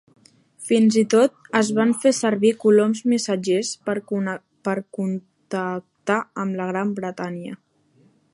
Fins i tot es van fer servir coloms missatgers per contactar amb la Gran Bretanya.